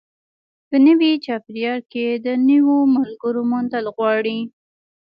په نوي چاپېریال کې د نویو ملګرو موندل غواړي.